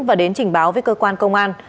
và đến trình báo với cơ quan công an